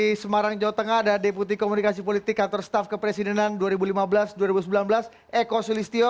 di semarang jawa tengah ada deputi komunikasi politik antar staff kepresidenan dua ribu lima belas dua ribu sembilan belas eko sulistyo